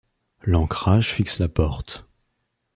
l'encrage fixe la porte